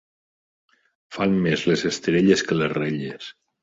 Fan més les estrelles que les relles.